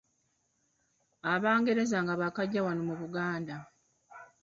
Abangereza nga baakajja wano mu Buganda